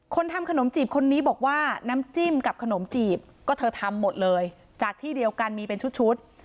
ทำขนมจีบคนนี้บอกว่าน้ำจิ้มกับขนมจีบก็เธอทำหมดเลยจากที่เดียวกันมีเป็นชุด